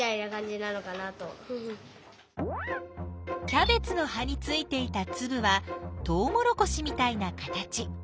キャベツの葉についていたつぶはとうもろこしみたいな形。